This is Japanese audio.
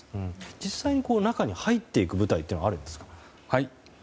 実際に中に入っていく部隊というのはあるんですか。